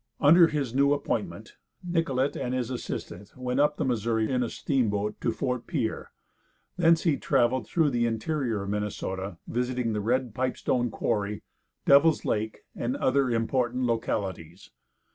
Under his new appointment, Nicollet and his assistant went up the Missouri in a steamboat to Fort Pierre; thence he traveled through the interior of Minnesota, visiting the Red Pipestone quarry, Devil's lake, and other important localities.